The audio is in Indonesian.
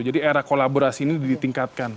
jadi era kolaborasi ini ditingkatkan